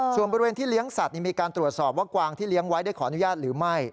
ส่วนบริเวณที่เลี้ยงสัตว์มีการตรวจสอบว่ากวางที่เลี้ยงไว้ได้ขออนุญาตหรือไม่